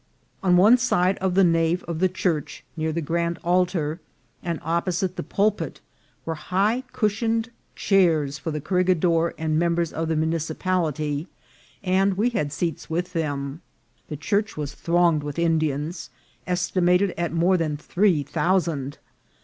On one side of the nave of the church, near the grand altar, and opposite the pulpit, were high cushioned chairs for the corregidor and members of the municipality, and we had seats with them. The church was thronged with Indians, estimated at more than three thousand.